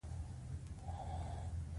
د خټکي جوس د بدن انرژي زیاتوي.